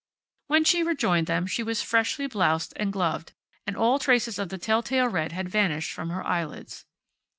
When she rejoined them she was freshly bloused and gloved and all traces of the tell tale red had vanished from her eyelids.